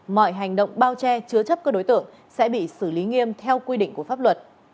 mọi hành động bao che chứa chấp các đối tượng sẽ bị xử lý nghiêm theo quy định của pháp luật